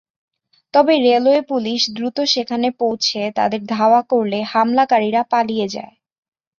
তবে railway police দ্রুত সেখানে পৌঁছে তাদের ধাওয়া করলে হামলাকারীরা পালিয়ে যায়।